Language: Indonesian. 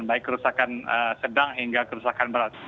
baik kerusakan sedang hingga kerusakan berat